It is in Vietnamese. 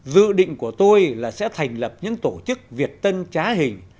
dự định của tôi là sẽ thành lập những tổ chức việt tân trá hình